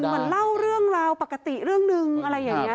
เหมือนเล่าเรื่องราวปกติเรื่องหนึ่งอะไรอย่างนี้